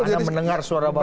anda mendengar suara bawah